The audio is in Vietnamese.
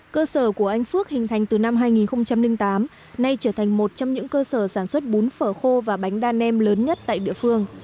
cơ sở của anh phước hình thành từ năm hai nghìn tám nay trở thành một trong những cơ sở sản xuất bún phở khô và bánh đa nem lớn nhất tại địa phương